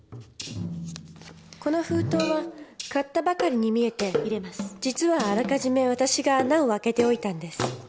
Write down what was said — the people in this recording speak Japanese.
この封筒は買ったばかりに見えて実はあらかじめ私が穴を開けておいたんです。